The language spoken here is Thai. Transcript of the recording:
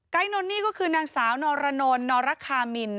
นนนี่ก็คือนางสาวนรนนรคามิน